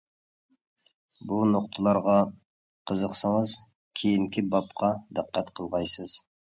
بۇ نۇقتىلارغا قىزىقسىڭىز كېيىنكى بابقا دىققەت قىلغايسىز.